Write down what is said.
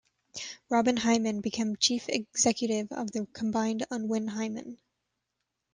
Robin Hyman became chief executive of the combined Unwin Hyman.